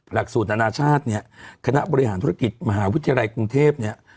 หลักสูตรอนาชาติเนี่ยคณะบริหารธุรกิจมหาวิทยาลัยกรุงเทพเนี่ย